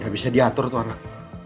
gak bisa diatur tuh anak